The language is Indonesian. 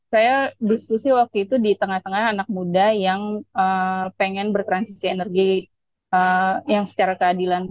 saya diskusi waktu itu di tengah tengah anak muda yang pengen bertransisi energi yang secara keadilan